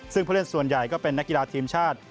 ซึ่งผู้เล่นส่วนใหญ่ก็เป็นนักกีฬาทีมชาติ